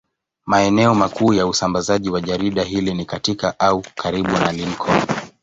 Maeneo makuu ya usambazaji wa jarida hili ni katika au karibu na Lincoln.